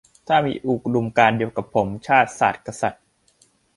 ถ้ามีอุดมการณ์เดียวกับผม ชาติ ศาสน์ กษัตริย์